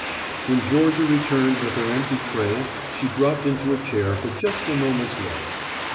When Georgia returned with her empty tray she dropped into a chair for just a moment's rest.